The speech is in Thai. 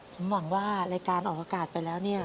ผมหวังว่ารายการออกอากาศไปแล้วเนี่ย